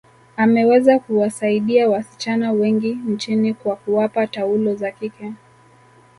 ameweza kuwasaidia wasichana wengi nchini kwa kuwapa taulo za kike